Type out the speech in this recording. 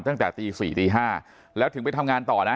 ตั้งแต่ตี๔ตี๕แล้วถึงไปทำงานต่อนะ